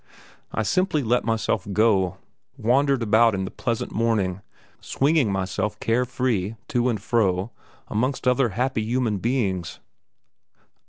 I simply let myself go, wandered about in the pleasant morning, swinging myself care free to and fro amongst other happy human beings.